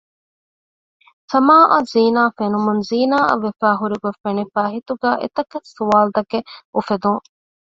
ސަމާއަށް ޒިނާފެނުމުން ޒީނާއަށް ވެފައި ހުރިގޮތް ފެނިފައި ހިތުގައި އެތަކެއް ސްވާލުތަކެއް އުފެދުން